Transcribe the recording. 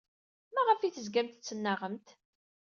Maɣef ay tezgamt tettnaɣemt?